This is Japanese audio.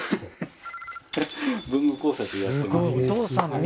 文具工作やってます。